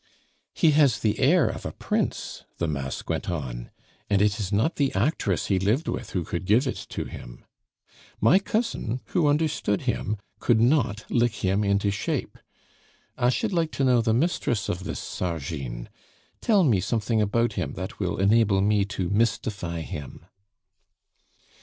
"He has the air of a prince," the mask went on, "and it is not the actress he lived with who could give it to him. My cousin, who understood him, could not lick him into shape. I should like to know the mistress of this Sargine; tell me something about him that will enable me to mystify him."